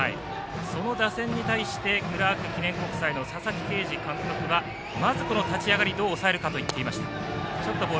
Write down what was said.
その打線に対してクラーク記念国際の佐々木啓司監督はまず立ち上がりどう抑えるかと言っていました。